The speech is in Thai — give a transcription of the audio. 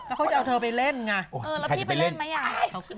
แล้วเขาจะเอาเธอไปเล่นไงแล้วพี่ไปเล่นไหมอย่าง